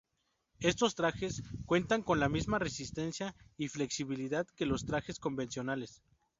Estos trajes cuentan con la misma Resistencia y flexibilidad que los trajes convencionales.